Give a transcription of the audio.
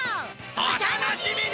お楽しみに！